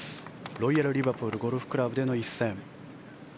ロイヤルリバプールゴルフクラブでの一戦。